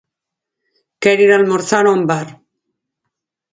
Quero ir almorzar a un bar.